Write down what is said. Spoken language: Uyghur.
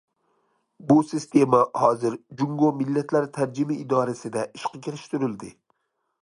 بۇ سىستېما ھازىر جۇڭگو مىللەتلەر تەرجىمە ئىدارىسىدە ئىشقا كىرىشتۈرۈلدى.